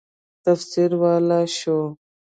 تفسیرولای شو.